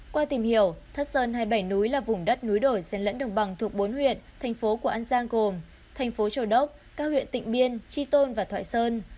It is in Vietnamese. qua tìm hiểu thất sơn hay bảy núi là vùng đất núi đổi dân lẫn đồng bằng thuộc bốn huyện thành phố của an giang gồm thành phố châu đốc cao huyện tịnh biên tri tôn và thoại sơn